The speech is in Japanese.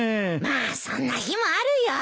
まあそんな日もあるよ。